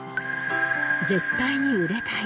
絶対に売れたい！